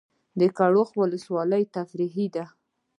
د کرخ ولسوالۍ تفریحي ده